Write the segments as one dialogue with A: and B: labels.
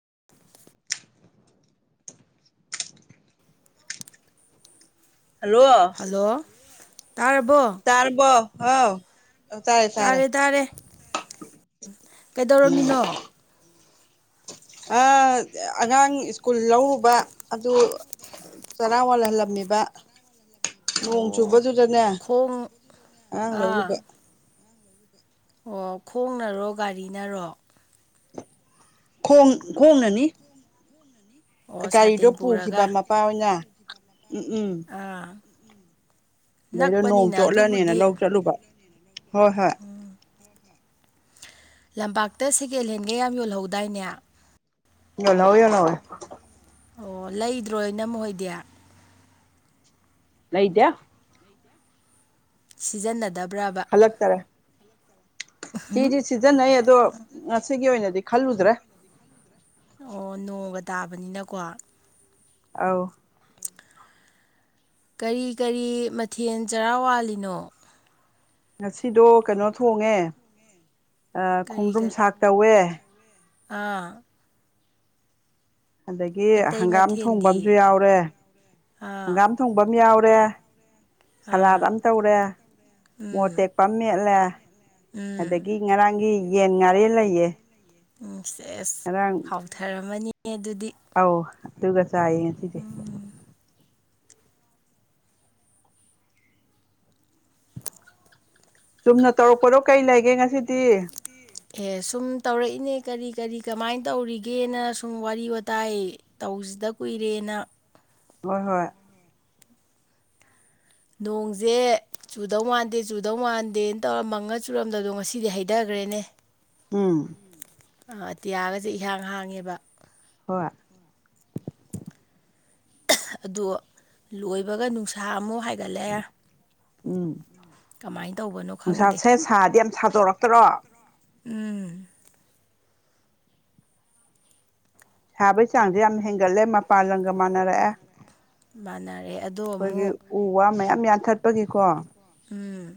A: [unintelligible]
B: Hello
A: hello ꯇꯥꯔꯕꯣ
B: ꯇꯥꯔꯕꯣ ꯍꯥꯎ
A: ꯇꯥꯔꯦ ꯇꯥꯔꯦ ꯀꯩꯗꯧꯔꯝꯃꯤꯅꯣ.
B: ꯑꯉꯥꯡ ꯁ꯭ꯀꯨꯜ ꯂꯧꯔꯨꯕ ꯑꯗꯨ ꯆꯔꯥ ꯋꯥꯜꯍꯜꯂꯝꯃꯤ ꯁꯤꯕ ꯅꯣꯡ
A: ꯑꯣ
B: ꯆꯨꯕꯗꯨꯗꯅꯦ
A: ꯈꯣꯡ
B: ꯑꯉꯥꯡ ꯂꯧꯔꯤꯕ
A: ꯑꯥ ꯑꯣ ꯈꯣꯡꯅꯔꯣ ꯒꯥꯔꯤꯅꯔꯣ
B: ꯈꯣꯡ ꯈꯣꯡꯅꯅꯤ
A: ꯑꯣ
B: ꯒꯥꯔꯤꯗꯣ
A: ꯁꯥꯇꯤꯟ
B: ꯄꯨꯈꯤꯕ
A: ꯄꯨꯔꯒ
B: ꯃꯄꯥꯣꯏ ꯑꯣꯏꯅ ꯎꯝ ꯎꯝ
A: ꯑꯥ
B: ꯑꯗꯩꯗ ꯅꯣꯡ
A: ꯅꯛꯄꯅꯤꯅ
B: ꯆꯣꯠꯂꯅꯦꯅ
A: ꯑꯗꯨꯕꯨꯗꯤ
B: ꯂꯧ ꯆꯠꯂꯨꯕ ꯍꯣꯏ ꯍꯣꯏ
A: ꯂꯝꯄꯥꯛꯇ ꯁꯦꯀꯦꯟ ꯍꯦꯟꯒ ꯌꯥꯝ ꯌꯣꯜꯍꯧꯗꯥꯏꯅꯦ
B: ꯌ ꯅꯧ ꯌꯥ ꯅꯉꯦ
A: ꯑꯣ ꯂꯩꯗ꯭ꯔꯣꯏ ꯅꯪꯣꯏꯗꯤ
B: ꯂꯩꯣꯏꯗ
A: ꯁꯤꯖꯤꯟꯅꯗꯕ
B: ꯈꯂꯥꯛ ꯇꯔꯦ
A: ꯎꯝ
B: ꯁꯤꯤꯗꯤ ꯁꯤꯖꯤꯟꯅꯩ ꯑꯗꯣ ꯉꯁꯤꯒꯤ ꯑꯣꯏꯅꯗꯤ ꯈꯜꯂꯨꯗ꯭ꯔꯦ
A: ꯑꯣ ꯅꯣꯡꯒ ꯇꯥꯕꯅꯤꯅꯀꯣ
B: ꯑ
A: ꯀꯔꯤ ꯀꯔꯤ ꯃꯊꯦꯜ ꯆꯔꯥ ꯋꯥꯂꯤꯅꯣ
B: ꯉꯁꯤꯗꯣ ꯀꯩꯅꯣ ꯊꯣꯡꯉꯦ
A: ꯀꯔꯤ
B: ꯈꯣꯡꯗ꯭ꯔꯨꯝ
A: ꯀꯔꯤ
B: ꯁꯥꯛ ꯇꯧꯋꯦ
A: ꯑꯥ
B: ꯑꯗꯒꯤ
A: ꯑꯇꯩ
B: ꯍꯪꯒꯥꯝ ꯊꯣꯡꯕ
A: ꯃꯊꯦꯜꯗꯤ
B: ꯑꯃꯁꯁꯨ ꯌꯥꯎꯔꯦ
A: ꯑꯥ
B: ꯍꯪꯒꯥꯝ ꯊꯣꯡꯕ ꯌꯥꯎꯔꯦ ꯇꯧꯔꯦ
A: ꯑꯥ
B: ꯁꯂꯥꯠ ꯑꯃ ꯇꯧꯔꯦ ꯃꯣꯠ
A: ꯎꯝ
B: ꯇꯦꯛꯄ ꯑꯃ ꯃꯦꯠꯂꯦ
A: ꯎꯝ
B: ꯑꯗꯒꯤ ꯉꯔꯥꯡꯒꯤ ꯌꯦꯟ ꯉꯥꯔꯤꯦ ꯂꯩꯌꯦ
A: ꯎꯝ ꯁꯦ ꯑꯦꯁ
B: ꯉꯔꯥꯡ
A: ꯍꯥꯎꯊꯔꯝꯃꯅꯤ ꯑꯗꯨꯗꯤ
B: ꯑꯧ ꯑꯗꯨꯒ ꯆꯥꯏꯌꯦ ꯉꯁꯤꯁꯦ ꯆꯨꯝꯅ ꯇꯧꯔꯛꯄꯗꯣ ꯀꯔꯤ ꯂꯩꯒꯦ ꯉꯁꯤꯗꯤ
A: ꯑꯦ ꯁꯨꯝ ꯇꯧꯔꯛꯏꯅꯦ ꯀꯔꯤ ꯀꯔꯤ ꯀꯃꯥꯏꯅ ꯇꯧꯔꯤꯒꯦꯅ ꯁꯨꯝ ꯋꯥꯔꯤ ꯋꯥꯇꯥꯏ ꯇꯧ ꯍꯧꯁꯤꯗ ꯀꯨꯏꯔꯦꯅ
B: ꯍꯣꯏ ꯍꯣꯏ
A: ꯅꯣꯡꯁꯦ ꯆꯨꯗꯧ ꯃꯥꯟꯗꯦ ꯆꯨꯗꯧ ꯃꯥꯟꯗꯦꯅ ꯇꯧꯔ ꯃꯪꯉ ꯆꯨꯔꯝꯗꯗꯣ ꯉꯁꯤꯗꯤ ꯍꯩꯊꯈ꯭ꯔꯦ ꯇ꯭ꯔꯦꯅꯦ
B: ꯎꯝ
A: ꯑꯇꯤꯌꯥꯒꯁꯦ ꯏꯍꯥꯡ ꯍꯥꯡꯉꯦꯕ
B: [unintelligible]
A: ꯑꯗꯣ ꯂꯣꯏꯕꯒ ꯅꯨꯡꯁꯥ ꯑꯃꯨꯛ ꯍꯥꯏꯒꯠꯂꯛꯑꯦ
B: ꯎꯝ
A: ꯀꯃꯥꯏꯅ ꯇꯧꯕꯅꯣ ꯈꯪꯗꯦ
B: ꯅꯨꯡꯁꯥꯥꯁꯦ ꯁꯥꯗꯤ ꯌꯥꯝ ꯁꯥꯗꯣꯔꯛꯇꯔꯣ
A: ꯎꯝ
B: ꯁꯥꯕꯩ ꯆꯥꯡꯁꯦ ꯌꯥꯝ ꯍꯦꯟꯒꯠꯂꯦ ꯃꯄꯥꯟ ꯂꯝꯪꯒ ꯃꯥꯟꯅꯔꯛꯑꯦ
A: ꯃꯥꯟꯅꯔꯦ ꯑꯗꯣ
B: ꯑꯩꯈꯣꯏꯒꯤ
A: ꯑꯃꯨꯛ
B: ꯎ ꯋꯥ ꯃꯌꯥꯝ ꯌꯥꯟꯊꯠꯄꯒꯤꯀꯣ
A: ꯎꯝ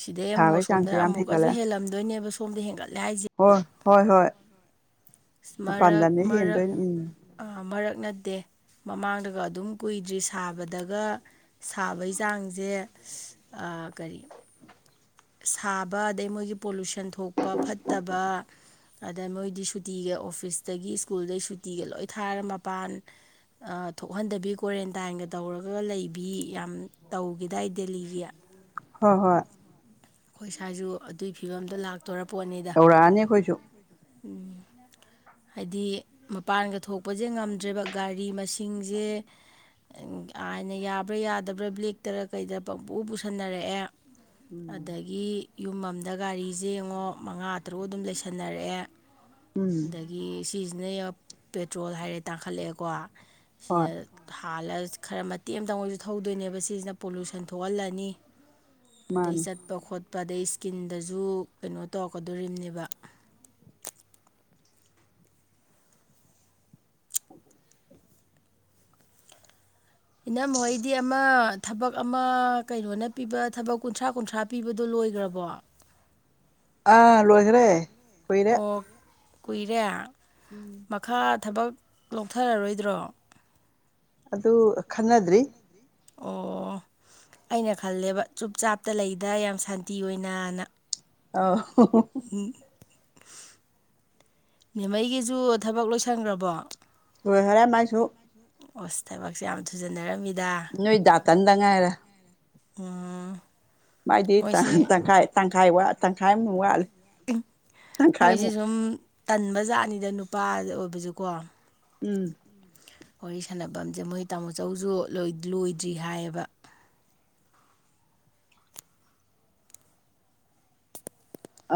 A: ꯁꯤꯗꯩ ꯑꯃꯨꯛ
B: ꯁꯥꯕꯒꯤ
A: ꯑꯁꯣꯝꯗ
B: ꯆꯥꯡꯁꯦ ꯌꯥꯝ
A: ꯑꯃꯨꯛꯀꯁꯨ
B: ꯍꯦꯟꯒꯠꯂꯦ
A: ꯍꯦꯜꯂꯝꯗꯣꯏꯅꯦꯕ ꯁꯣꯝꯗ ꯍꯦꯟꯒꯠ ꯂꯩ ꯍꯥꯏꯁꯦ
B: ꯍꯣꯏ ꯍꯣꯏ ꯍꯣꯏ ꯃꯄꯥꯟ
A: ꯃꯔꯛ
B: ꯂꯝꯗ
A: ꯃꯔꯛ
B: ꯍꯦꯟꯗꯣꯏꯅꯦ ꯎꯝ
A: ꯃꯔꯛ ꯅꯗꯦ ꯃꯃꯥꯡꯗꯒ ꯑꯗꯨꯝ ꯀꯨꯏꯗ꯭ꯔꯤ ꯁꯥꯕꯗꯒ ꯁꯥꯕꯩ ꯆꯥꯡꯁꯦ ꯀꯔꯤ ꯁꯥꯕ ꯑꯗꯩ ꯃꯣꯏꯒꯤ ꯄꯣꯂꯨꯁꯟ ꯊꯣꯛ ꯊꯣꯛꯄ ꯐꯠꯇꯕ ꯑꯗ ꯃꯣꯏꯗꯤ ꯁꯨ ꯁꯨꯇꯤꯒ ꯑꯣꯐꯤꯁꯇꯒꯤ ꯁ꯭ꯀꯨꯜꯗꯗꯒꯤ ꯁꯨꯇꯤꯒ ꯂꯣꯏ ꯊꯥꯔ ꯃꯄꯥꯟ ꯊꯣꯛꯍꯟꯗꯕꯤ ꯀ꯭ꯋꯥꯔꯦꯟꯇꯥꯏꯟꯒ ꯇꯧꯔꯒ ꯂꯩꯕꯤ ꯌꯥꯝ ꯇꯧꯒꯗꯥꯏ ꯗꯦꯜꯂꯤꯒꯤ
B: ꯍꯣꯏ ꯍꯣꯏ
A: ꯑꯩꯈꯣꯏ ꯁ꯭ꯋꯥꯏꯖ ꯑꯗꯨꯒꯤ ꯐꯤꯕꯝꯗ ꯂꯥꯛꯇꯣꯔ
B: ꯇꯧꯔꯛꯑꯅꯤ ꯑꯩꯈꯣꯏꯁꯨ
A: ꯎꯝ ꯍꯥꯏꯗꯤ ꯃꯄꯥꯟꯒ ꯊꯣꯛꯄꯁꯦ ꯉꯝꯗ꯭ꯔꯦꯕ ꯒꯥꯔꯤ ꯃꯁꯤꯡꯁꯦ ꯑꯥꯏꯅ ꯌꯥꯕ꯭ꯔꯥ ꯌꯥꯗꯕ꯭ꯔꯥ ꯕ꯭ꯂꯦꯛꯇꯔ ꯀꯩꯗꯔ ꯄꯪꯄꯨ ꯄꯨꯁꯟꯅꯔꯛꯑꯦ
B: ꯎꯝ
A: ꯑꯗꯒꯤ ꯌꯨꯝ ꯑꯃꯗ ꯒꯥꯔꯤꯁꯦ ꯌꯦꯡꯉꯣ ꯃꯉꯥ ꯇꯔꯨꯛ ꯑꯗꯨꯝ ꯂꯩꯁꯟꯅꯔꯛꯑꯦ
B: ꯎꯝ
A: ꯑꯗꯒꯤ ꯁꯤꯁꯤꯅ ꯄꯦꯇ꯭ꯔꯣꯜ ꯍꯥꯏꯔꯦ ꯇꯥꯡꯈꯠꯂꯛꯑꯦꯀꯣ ꯁꯤꯅ
B: ꯍꯣꯏ
A: ꯍꯂ ꯈꯔ ꯃꯇꯦꯛ ꯑꯃꯇꯪ ꯑꯣꯏꯁꯨ ꯊꯧꯗꯣꯏꯅꯦꯕ ꯁꯤꯁꯤꯅ ꯄꯣꯂꯨꯁꯟ ꯊꯣꯛꯍꯜꯂꯅꯤ ꯑꯗꯩ
B: ꯃꯥꯅꯤ
A: ꯆꯠ ꯈꯣꯠꯄ ꯑꯗꯩ ꯏꯁꯀꯤꯟꯗꯁꯨ ꯀꯩꯅꯣ ꯇꯧꯔꯛꯀꯗꯣꯝꯅꯦꯕ ꯏꯅꯝ ꯍꯣꯏꯗꯤꯃ ꯊꯕꯛ ꯑꯃ ꯀꯩꯅꯣꯅ ꯄꯤꯕ ꯊꯕꯛ ꯀꯨꯟꯊ꯭ꯔꯥ ꯀꯨꯟꯊ꯭ꯔꯥ ꯄꯤꯕꯗꯣ ꯂꯣꯏꯈ꯭ꯔꯕꯣ
B: ꯑꯥ ꯂꯣꯏꯈ꯭ꯔꯦ ꯀꯨꯏꯔꯦ
A: ꯑꯣ ꯀꯨꯏꯔꯦ
B: ꯎꯝ
A: ꯃꯈꯥ ꯊꯕꯛ ꯂꯧꯊꯔꯔꯣꯏꯗ꯭ꯔꯣ
B: ꯑꯗꯨ ꯈꯟꯅꯗ꯭ꯔꯤ
A: ꯑꯣ ꯑꯩꯅ ꯈꯜꯂꯦꯕ ꯆꯨꯞ ꯆꯥꯞꯇ ꯂꯩꯗ ꯌꯥꯝ ꯁꯥꯟꯇꯤ ꯑꯣꯏꯅꯅ
B: ꯑ
A: ꯅꯦꯝꯃꯩꯒꯤꯁꯨ ꯊꯕꯛ ꯂꯣꯏꯁꯟꯈ꯭ꯔꯕꯣ
B: ꯣꯏ ꯍꯔꯦ ꯃꯥꯏꯁꯨ
A: ꯑꯣꯁ ꯊꯕꯛꯁꯦ ꯌꯥꯝ ꯊꯨꯖꯟꯅꯔꯝꯃꯤ
B: ꯣꯏ ꯗꯥꯇꯅꯗꯉ ꯍꯥꯏꯔ
A: ꯑ
B: ꯃꯥꯏꯗꯤ ꯇꯪꯈꯥꯏ ꯇꯪꯈꯥꯏꯠ ꯇꯪꯈꯥꯏ ꯑꯃꯨꯛ ꯋꯥꯠꯂꯦ
A: ꯃꯣꯏꯁꯦ ꯁꯨꯝ ꯇꯟꯕꯖꯥꯠꯅꯤꯗ ꯅꯨꯄꯥ ꯑꯣꯏꯕꯁꯨꯀꯣ
B: ꯎꯝ
A: ꯋꯥꯔꯤ ꯁꯥꯟꯅꯐꯝꯁꯦ ꯃꯣꯏ ꯇꯥꯃꯣꯆꯧꯁꯨ ꯂꯣꯏꯗ꯭ꯔꯤ ꯍꯥꯏꯌꯦꯕ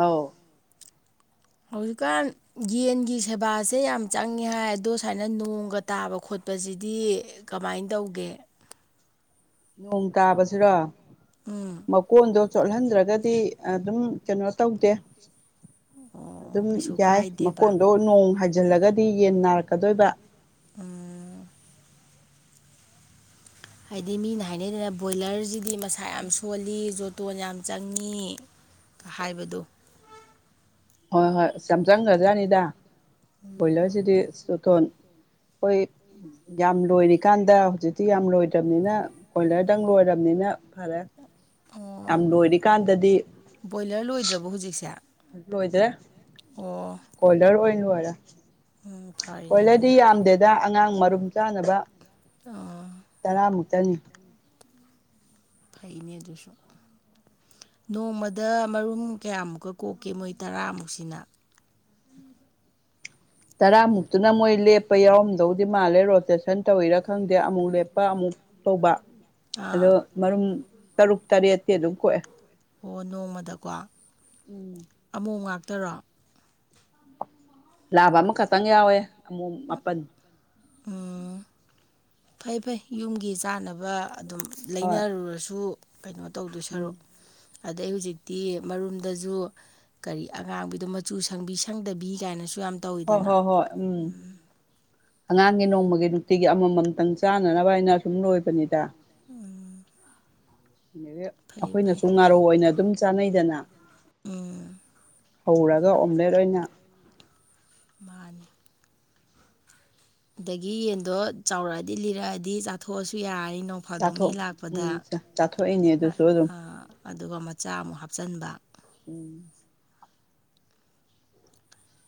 B: ꯑꯥꯎ
A: ꯍꯧꯖꯤꯛꯀꯥꯟ ꯌꯦꯟꯒꯤ ꯁꯦꯕꯥꯁꯦ ꯌꯥꯝ ꯆꯪꯉꯦ ꯍꯥꯏ ꯑꯗꯣ ꯁꯨꯃꯥꯏꯅ ꯅꯣꯡꯒ ꯇꯥꯕ ꯈꯣꯠꯄ ꯆꯠꯄꯁꯤꯗꯤ ꯀꯃꯥꯏꯅ ꯇꯧꯒꯦ
B: ꯅꯣꯡ ꯇꯥꯕꯕꯁꯤꯔꯣ
A: ꯎꯝ
B: ꯃꯀꯣꯟꯗꯣ ꯆꯣꯠꯍꯟꯗ꯭ꯔꯒꯗꯤ ꯑꯗꯨꯝ ꯀꯩꯅꯣ ꯇꯧꯗꯦ
A: ꯑꯣ
B: ꯑꯗꯨꯝ
A: ꯀꯩꯁꯨ
B: ꯌꯥꯏ
A: ꯀꯥꯏꯗꯦꯕ
B: ꯃꯈꯀꯣꯟꯗꯣ ꯅꯣꯡ ꯍꯥꯏꯖꯤꯜꯂꯒꯗꯤ ꯁꯤ ꯌꯦꯟ ꯅꯥꯔꯛꯀꯗꯣꯏꯕ
A: ꯑ ꯍꯥꯏꯗꯤ ꯃꯤꯅ ꯍꯥꯏꯅꯩꯗꯅ ꯕꯣꯏꯂꯔꯁꯤꯗꯤ ꯃꯁꯥ ꯌꯥꯝ ꯁꯣꯜꯂꯤ ꯖꯣꯇꯣꯟ ꯌꯥꯝ ꯆꯪꯉꯤ ꯍꯥꯏꯕꯗꯨ
B: ꯍꯣꯏ ꯍꯣꯏ ꯌꯥꯝ ꯆꯪꯈ꯭ꯔꯖꯥꯠꯅꯤꯗ ꯕꯣꯏꯂꯔꯁꯤꯗꯤꯣꯊꯣꯟ ꯑꯩꯈꯣꯏ ꯌꯥꯝ ꯂꯣꯏꯔꯤꯀꯥꯟꯗ ꯍꯧꯖꯤꯛꯇꯤ ꯌꯥꯝ ꯂꯣꯏꯗ꯭ꯔꯕꯅꯤꯅ ꯕꯣꯏꯂꯔꯗꯪ ꯂꯣꯏꯔꯕꯅꯦ ꯅ ꯐꯔꯦ
A: ꯑꯣ
B: ꯌꯥꯝ ꯂꯣꯏꯔꯤꯀꯥꯟꯗꯗꯤ
A: ꯕꯣꯏꯂꯔ ꯂꯣꯏꯗ꯭ꯔꯕꯣ ꯍꯧꯖꯤꯛꯁꯦ
B: ꯂꯣꯏꯗ꯭ꯔꯦ
A: ꯑꯣ
B: ꯀꯣꯜꯗꯔ ꯑꯣꯏꯅ ꯂꯣꯏꯔꯦ
A: ꯎꯝ ꯐꯔꯦꯅꯦ
B: ꯀꯣꯏꯂꯗꯤ
A: ꯑꯗꯨꯅ
B: ꯌꯥꯝꯗꯦꯗ ꯑꯉꯥꯡ ꯃꯔꯨꯝ ꯆꯥꯅꯕ
A: ꯑ
B: ꯇꯔꯥꯃꯨꯛꯇꯅꯤ
A: ꯐꯩꯅꯖꯁꯨꯨꯝ ꯅꯣꯡꯃꯗ ꯃꯔꯨꯝ ꯀꯌꯥꯃꯨꯛꯀ ꯀꯣꯛꯀꯦ ꯃꯣꯏ ꯇꯔꯥꯃꯨꯛꯁꯤꯅ
B: ꯇꯔꯥꯃꯨꯛꯇꯨꯅ ꯃꯣꯏ ꯂꯦꯞꯄ ꯌꯥꯎꯔꯝꯗꯧꯗꯤ ꯃꯥꯜꯂꯦ ꯔꯣꯇꯦꯁꯟ ꯇꯧꯋꯤꯔꯥ ꯈꯪꯗꯦ ꯑꯃꯨꯛ ꯂꯦꯞꯄ ꯑꯃꯨꯛ ꯇꯧꯕ
A: [inaudible]
B: ꯑꯗꯣ
A: ꯑꯥ
B: ꯃꯔꯨꯝ ꯇꯔꯨꯛ ꯇꯔꯦꯠꯇꯤ ꯑꯗꯨꯝ ꯀꯣꯛꯑꯦ
A: ꯑꯣ ꯅꯣꯡꯃꯗꯀꯣ
B: ꯎꯝ
A: ꯑꯃꯛ ꯉꯥꯛꯇꯔꯣ
B: ꯂꯥꯕ ꯑꯃꯈꯛꯇꯪ ꯌꯥꯎꯋꯦ ꯑꯃꯨꯛ ꯃꯥꯄꯟ
A: ꯎꯝ ꯐꯩ ꯐꯩ ꯌꯨꯝꯒꯤ ꯆꯥꯟꯅꯕ ꯑꯗꯨꯝ
B: ꯍꯣꯏ
A: ꯂꯩꯅꯔꯨꯔꯁꯨ ꯀꯩꯅꯣ ꯇꯧꯗꯣꯏ
B: ꯎꯝ
A: ꯁꯔꯨꯛ ꯑꯗꯩ ꯍꯧꯖꯤꯛꯇꯤ ꯃꯔꯨꯝꯗꯁꯨ ꯀꯔꯤ ꯑꯉꯥꯡꯕꯤꯗꯣ ꯃꯆꯨ ꯁꯪꯕꯤ ꯁꯪꯗꯕꯤ ꯀꯥꯏꯅꯁꯨ ꯌꯥꯝ
B: ꯍꯣꯏ
A: ꯇꯧꯋꯤꯗꯅ
B: ꯍꯣꯏ ꯍꯣꯏ ꯎꯝ ꯑꯉꯥꯡꯒꯤ ꯅꯣꯡꯃꯒꯤ ꯅꯨꯡꯇꯤꯒꯤ ꯑꯃꯃꯝꯇꯪ ꯆꯥꯅꯅꯕ ꯍꯥꯏꯅ ꯁꯁꯨꯝ ꯂꯣꯏꯕꯅꯤꯗ
A: ꯎꯝ
B: ꯑꯗꯒꯤ ꯑꯩꯈꯣꯏꯅꯁꯨ ꯉꯥꯔꯨ ꯑꯣꯏꯅ ꯑꯗꯨꯝ ꯆꯥꯅꯩꯗꯅ
A: ꯎꯝ
B: ꯍꯧꯔꯒ ꯑꯣꯝꯂꯦꯠ ꯑꯣꯏꯅ
A: ꯃꯥꯅꯤ ꯑꯗꯒꯤ ꯌꯦꯟꯗꯣ ꯆꯥꯎꯔꯛꯑꯗꯤ ꯂꯤꯔꯛꯑꯗꯤ ꯆꯥꯊꯣꯛꯑꯖꯨ ꯌꯥꯏ ꯅꯣꯡ ꯐꯥꯗꯧ ꯃꯤ
B: ꯆꯥꯊꯣꯛ
A: ꯂꯥꯛꯄꯗ
B: ꯎꯝ ꯆꯥꯊꯣꯛꯏꯅꯦ ꯑꯗꯨꯁꯨ ꯑꯗꯨꯝ
A: ꯑꯗꯨꯒ ꯃꯆꯥ ꯑꯃꯨꯛ ꯍꯥꯞꯆꯤꯟꯕ
B: ꯎꯝ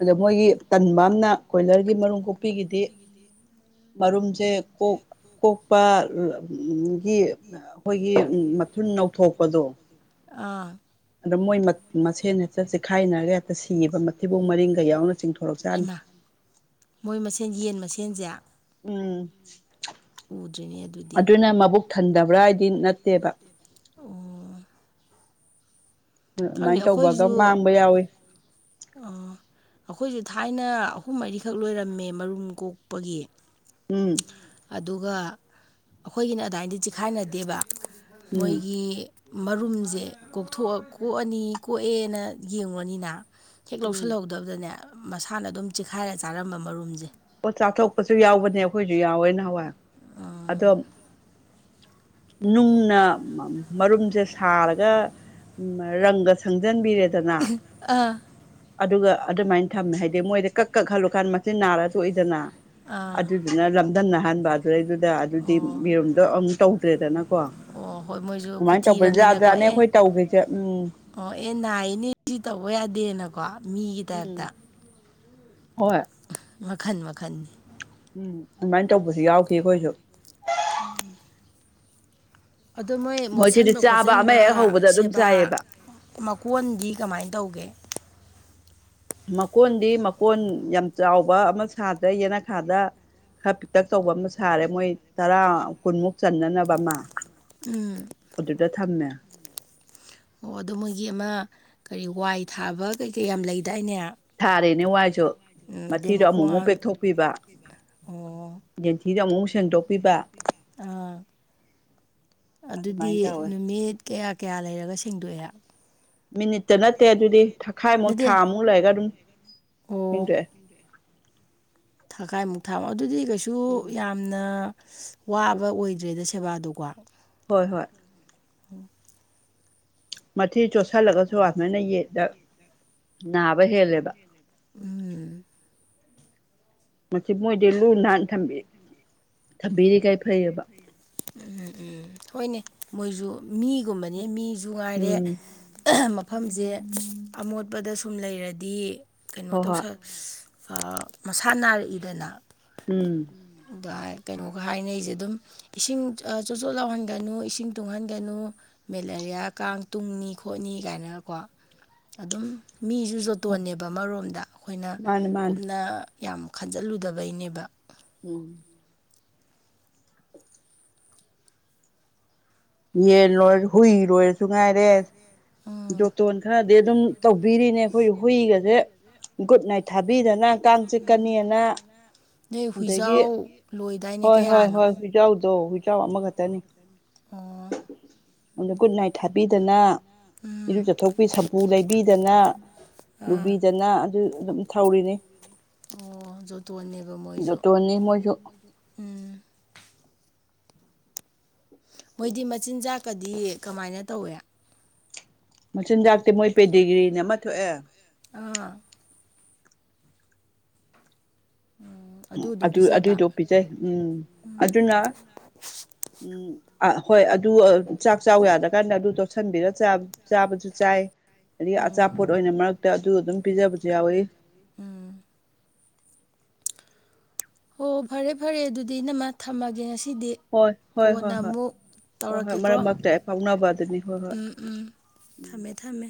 B: ꯑꯗ ꯃꯣꯏꯒꯤ ꯇꯟꯕ ꯑꯃꯅ ꯀꯣꯏꯂꯔꯒꯤ ꯃꯔꯨꯝ ꯀꯣꯛꯄꯤꯒꯤꯗꯤ ꯃꯔꯔꯨꯝꯨꯝꯁꯦ ꯀ ꯀꯣꯛꯄ ꯒꯤ ꯑꯩꯈꯣꯏꯒꯤ ꯃꯊꯨꯟ ꯅꯧꯊꯣꯛꯄꯗꯣ
A: ꯑꯥ
B: ꯑꯗ ꯃꯣꯏ ꯃꯁꯦꯟ ꯍꯦꯛꯇ ꯆꯤꯈꯥꯏꯅꯔꯒ ꯍꯦꯛꯇ ꯁꯤꯕ ꯃꯊꯤꯕꯨꯡ ꯃꯔꯤꯡꯒ ꯌꯥꯎꯅ ꯆꯤꯡꯊꯣꯔꯛ ꯆꯅꯤ
A: ꯍꯩꯃꯥ ꯃꯣꯏ ꯃꯁꯦꯟ ꯌꯦꯟ ꯃꯁꯦꯟꯁꯦ
B: ꯎꯝ
A: ꯎꯗ꯭ꯔꯤꯅꯦ ꯑꯗꯨꯗꯤ
B: ꯑꯗꯨꯅ ꯃꯕꯨꯛ ꯊꯟꯗꯕ꯭ꯔꯥ ꯍꯥꯏꯗꯤ ꯅꯠꯇꯦꯕ
A: ꯑꯣ ꯈꯪꯅꯤ
B: ꯑꯗꯨꯃꯥꯏꯅ ꯇꯧꯕꯒ
A: ꯑꯩꯈꯣꯏꯁꯨ
B: ꯃꯥꯡꯕ ꯌꯥꯎꯋꯤ
A: ꯑ ꯑꯩꯈꯣꯏꯁꯨ ꯊꯥꯏꯅ ꯑꯍꯨꯝ ꯃꯔꯤꯈꯛ ꯂꯣꯏꯔꯝꯃꯦ ꯃꯔꯨꯝ ꯀꯣꯛꯄꯒꯤ
B: ꯎꯝ
A: ꯑꯗꯨꯒ ꯑꯩꯈꯣꯏꯒꯤꯅ ꯑꯗꯨꯗꯥꯏꯗꯤ ꯆꯤꯈꯥꯏꯅꯗꯦꯕ
B: ꯎꯝ
A: ꯃꯣꯏꯒꯤ ꯃꯔꯨꯝꯁꯦ ꯀꯣꯛꯊꯣꯛꯑ ꯀꯣꯛꯑꯅꯤ ꯀꯣꯛꯑꯦꯅ ꯌꯦꯡꯉꯨꯅꯤꯅ ꯍꯦꯛ
B: ꯎꯝ
A: ꯂꯧꯁꯤꯜꯍꯧꯗꯕꯗꯅꯦ ꯃꯁꯥꯅ ꯑꯗꯨꯝ ꯆꯤꯈꯥꯏꯔ ꯆꯥꯔꯝꯕ ꯃꯔꯨꯝꯁꯦ
B: ꯑꯣ ꯆꯥꯊꯣꯛꯄꯁꯨ ꯌꯥꯎꯕꯅꯦ ꯑꯩꯈꯣꯏꯁꯨ ꯌꯥꯎꯋꯦ ꯅꯍꯥꯟꯋꯥꯏ ꯑꯗꯣ
A: ꯎꯝ
B: ꯅꯨꯡꯅ ꯃꯔꯨꯝꯁꯦ ꯁꯥꯔꯒ ꯎꯝ ꯔꯪꯒ ꯁꯪꯖꯟ
A: ꯑꯥ
B: ꯑꯗꯨꯒ ꯑꯗꯨꯃꯥꯏꯅ ꯊꯝꯃꯦ ꯍꯥꯏꯗꯤ ꯃꯣꯏꯗ ꯀꯛ ꯀꯛ ꯍꯜꯂꯨꯀꯥꯟ ꯃꯆꯤꯟ ꯅꯥꯔ ꯊꯣꯛꯏꯗꯅ
A: ꯑꯥ
B: ꯑꯗꯨꯗꯨꯅ ꯂꯝꯗꯝꯟ ꯅꯅꯥꯍꯟꯥꯟꯕ ꯑꯗꯨꯗꯩꯗꯨ ꯗ ꯑꯗꯨꯗꯤ
A: ꯑꯣ
B: ꯃꯤꯔꯨꯝꯗꯣ ꯑꯃꯨꯛ ꯇꯧꯗ꯭ꯔꯦꯗꯅꯀꯣ
A: ꯑꯣ ꯍꯣꯏ ꯃꯣꯏꯁꯨ
B: ꯑꯗꯨꯃꯥꯏꯅ ꯇꯧꯕ ꯖꯥꯠ
A: ꯈꯨꯊꯤꯔꯕꯅꯤꯅꯀꯣ
B: ꯖꯥꯠꯅꯦ
A: ꯑꯦ
B: ꯑꯩꯈꯣꯏ ꯇꯧꯈꯤꯁꯦ ꯎꯝ
A: ꯑꯣ ꯑꯦ ꯅꯥꯏꯅꯦ ꯁꯤ ꯇꯧꯕ ꯌꯥꯗꯦꯅꯀꯣ ꯃꯤꯒꯤ ꯇꯥꯏꯞꯇ
B: ꯍ
A: ꯋꯥꯈꯟ ꯋꯥꯈꯟꯅꯤ
B: ꯎꯝ ꯑꯗꯨꯃꯥꯏꯅ ꯇꯧꯕꯁꯨ ꯌꯥꯎꯈꯤ ꯑꯩꯈꯣꯏꯁꯨ
A: [inaudible] ꯑꯗꯨ ꯃꯣꯏ
B: ꯃꯣꯏꯁꯤꯗꯤ
A: ꯃꯣꯠꯁꯟꯕ
B: ꯆꯥꯕ ꯑꯃ
A: ꯈꯣꯠꯆꯟꯕ
B: ꯍꯦꯛ ꯍꯧꯕꯗ ꯑꯗꯨꯝ
A: ꯁꯦꯕꯥ
B: ꯆꯥꯏꯌꯦꯕ
A: ꯃꯀꯣꯟꯗꯤ ꯀꯃꯥꯏꯅ ꯇꯧꯒꯦ
B: ꯃꯀꯣꯟꯗꯤ ꯃꯀꯣꯟ ꯌꯥꯝ ꯆꯥꯎꯕ ꯑꯃ ꯁꯥꯗ꯭ꯔꯦ ꯌꯦꯅꯈꯥꯗ ꯈꯔ ꯄꯤꯛꯇꯛ ꯇꯧꯕ ꯑꯃ ꯁꯥꯔꯦ ꯃꯣꯏ ꯇꯔꯥ ꯀꯨꯟꯃꯨꯛ ꯆꯟꯅꯅꯕ ꯑꯃ
A: ꯎꯝ
B: ꯑꯗꯨꯗꯨꯗ ꯊꯝꯅ
A: ꯑꯣ ꯑꯗꯣ ꯃꯣꯏꯒꯤ ꯑꯃ ꯀꯔꯤ ꯋꯥꯏ ꯊꯥꯕ ꯀꯩꯀꯩ ꯌꯥꯝ ꯂꯩꯗꯥꯏꯅꯦ
B: ꯊꯥꯔꯦꯅꯦ ꯋꯥꯏꯁꯨ
A: ꯎꯝ ꯑꯗꯩ
B: ꯃꯊꯤꯗꯣ ꯑꯃꯨꯛ
A: ꯃꯈꯣꯡ
B: ꯑꯃꯨꯛ
A: ꯑꯍꯥꯝ
B: ꯄꯦꯛꯊꯣꯛꯄꯤꯕ
A: ꯑꯣ
B: ꯌꯦꯟꯊꯤꯗꯣ ꯑꯃꯨꯛꯃꯨꯛ ꯁꯦꯡꯗꯣꯛꯄꯤꯕ
A: ꯑꯥ ꯑꯗꯨꯗꯤ
B: ꯑꯗꯨꯃꯥꯏꯅ ꯇꯧꯋꯦ
A: ꯅꯨꯃꯤꯠ ꯀꯌꯥ ꯀꯌꯥ ꯂꯩꯔꯒ ꯁꯦꯡꯗꯣꯛꯑꯦ
B: ꯃꯤꯅꯤꯠꯇ ꯅꯠꯇꯦ ꯑꯗꯨꯗꯤ ꯊꯈꯥꯏꯃꯨꯛ
A: ꯅꯠꯇꯦ
B: ꯊꯥꯃꯨꯛ ꯂꯩꯔꯒ ꯑꯗꯨꯝ
A: ꯑꯣ
B: ꯏꯦ
A: ꯊꯥꯈꯥꯏꯃꯨꯛ ꯊꯥꯃ ꯑꯗꯨꯗꯤ ꯀꯩꯁꯨ
B: ꯎꯝ
A: ꯌꯥꯝꯅ ꯋꯥꯕ ꯑꯣꯏꯗ꯭ꯔꯦꯗ ꯁꯦꯕꯥꯗꯨꯀꯣ
B: ꯍꯣꯏ ꯍꯣꯏ
A: ꯑꯣ
B: ꯃꯊꯤ ꯆꯣꯠꯁꯜꯂꯒꯁꯨ ꯑꯗꯨꯃꯥꯏꯅ ꯌꯦꯗ ꯅꯥꯕ ꯍꯦꯜꯂꯦꯕ
A: ꯎꯝ
B: ꯃꯁꯤ ꯃꯣꯏꯗꯤ ꯂꯨ ꯅꯥꯟꯅ ꯊꯝꯕꯤ ꯊꯝꯕꯤꯔꯤ ꯀꯩ
A: ꯎꯝꯝ ꯎꯝ ꯍꯣꯏꯅꯦ ꯃꯣꯏꯁꯨ ꯃꯤꯒꯨꯝꯕꯅꯤ ꯃꯤꯖꯨ ꯉꯥꯏꯔꯦ
B: ꯎꯝ
A: ꯃꯐꯝꯁꯦ ꯑꯃꯣꯠꯄꯗ ꯁꯨꯝ ꯂꯩꯔꯗꯤ ꯀꯩꯅꯣ
B: ꯍꯣꯏ ꯍꯣꯏ
A: ꯇꯧꯁꯜ ꯃꯁꯥ ꯅꯥꯔꯛꯏꯗꯅ
B: ꯎꯝ
A: ꯑꯗꯨ ꯀꯩꯅꯣꯒ ꯍꯥꯏꯅꯩꯖꯦ ꯑꯗꯨꯝ ꯏꯁꯤꯡ ꯆꯣꯠ ꯆꯣꯠ ꯂꯥꯎꯍꯟꯒꯅꯨ ꯏꯁꯤꯡ ꯇꯨꯡꯍꯟꯒꯅꯨ ꯃꯦꯂꯥꯔꯤꯌꯥ ꯀꯥꯡ ꯇꯨꯡꯅꯤ ꯈꯣꯠꯅꯤ ꯀꯥꯏꯅꯒꯀꯣ ꯑꯗꯨꯝ ꯃꯤꯁꯨ
B: ꯍꯣꯏ
A: ꯣꯇꯣꯟꯅꯦꯕ ꯑꯃꯔꯣꯝꯗ ꯑꯩꯈꯣꯏꯅ
B: ꯃꯥꯅꯦ ꯃꯥꯅꯦ
A: ꯀꯨꯞꯅ ꯌꯥꯝ ꯈꯟꯖꯤꯜꯂꯨꯗꯕꯩꯅꯦꯕ
B: ꯍꯝ ꯌꯦꯟ ꯂꯣꯏꯔ ꯍꯨꯏ ꯂꯣꯏꯔꯁꯨ ꯉꯥꯏꯔꯦ
A: ꯎꯝ
B: ꯌꯣꯇꯣꯟ ꯈꯔꯗꯤ ꯑꯗꯨꯝ ꯇꯧꯕꯤꯔꯤꯅꯦ ꯑꯩꯈꯣꯏ ꯍꯨꯏꯒꯁꯦ ꯒꯨꯗ ꯅꯥꯏꯠ ꯊꯥꯕꯤꯗꯅ ꯆꯠꯀꯅꯤꯅ
A: ꯅꯣꯏ
B: ꯑꯗꯒꯤ
A: ꯍꯨꯏꯖꯥꯎ ꯂꯣꯏꯗꯥꯏꯅꯦ
B: ꯍꯣꯏ ꯍꯣꯏ
A: ꯀꯌꯥꯅꯣ
B: ꯍꯣꯏ ꯍꯨꯏꯖꯥꯎꯗꯣ ꯍꯨꯏꯖꯥꯎ ꯑꯃꯈꯛꯇꯅꯤ
A: ꯑꯣ
B: ꯑꯩꯣꯟꯗ ꯒꯨꯗ ꯅꯥꯏꯠ ꯊꯥꯕꯤꯗꯅ ꯏꯔꯨ
A: ꯎꯝ
B: ꯆꯊꯣꯛꯄꯤ ꯁꯝꯄꯨ ꯂꯩꯕꯤꯗꯅ
A: ꯑꯥ
B: ꯂꯨꯕꯤꯗꯅ ꯑꯗꯨ ꯑꯗꯨꯝ ꯊꯧꯔꯤꯅꯤ
A: ꯑꯣꯗꯨ ꯑꯅꯤ
B: ꯇ ꯑꯅꯤ ꯃꯁꯨ
A: ꯎꯝ ꯃꯣꯏꯗꯤ ꯃꯆꯤꯟꯖꯥꯛꯀꯗꯤ ꯀꯃꯥꯏꯅ ꯇꯧꯋꯦ
B: ꯃꯆꯤꯟꯖꯥꯛꯇꯤ ꯃꯣꯏ ꯄꯦꯗꯤꯒ꯭ꯔꯤꯅ ꯑꯃ ꯊꯣꯛꯑꯦ
A: ꯑꯥ ꯎꯝ ꯑꯗꯨꯝ
B: ꯑꯗꯨ
A: ꯄꯤꯖꯕ
B: ꯑꯗꯨꯏꯗꯣ ꯄꯤꯖꯩ ꯎꯝ ꯑꯗꯨꯅ ꯎꯝ ꯑ ꯍꯣꯏ ꯑꯗꯨ ꯆꯥꯛ ꯆ ꯆꯥꯎ ꯌꯥꯗ ꯀꯥꯟꯗ ꯑꯗꯨ ꯇꯣꯠꯁꯤꯟꯕꯤꯔ ꯆꯥꯕꯁꯨ ꯆꯥꯏ ꯑꯗꯒꯤ
A: ꯎꯝ
B: ꯑꯆꯥꯄꯣꯠ ꯑꯣꯏꯅ ꯃꯔꯛꯇ ꯑꯗꯨ ꯑꯗꯨꯝ ꯄꯤꯖꯕꯁꯨ ꯌꯥꯎꯋꯤ
A: ꯎꯝ ꯍꯣ ꯐꯔꯦ ꯐꯔꯦ ꯑꯗꯨꯗꯤ ꯏ ꯅꯃ ꯊꯝꯃꯒꯦ ꯉꯁꯤꯗꯤ
B: ꯍꯣꯏ ꯍꯣꯏ
A: ꯀꯣꯟꯅ
B: ꯍꯣꯏ ꯍꯣꯏ
A: ꯑꯃꯨꯛ
B: ꯍꯣꯏ ꯍꯣꯏ
A: ꯇꯧꯔꯛꯀꯦꯀꯣ
B: ꯃꯔꯛ ꯃꯔꯛꯇ ꯐꯥꯎꯅꯕ ꯑꯗꯨꯅꯤ ꯍꯣꯏ ꯍꯣꯏ
A: ꯎꯝ ꯎꯝ
B: ꯎꯝ
A: ꯊꯝꯃꯦ ꯊꯝꯃꯦ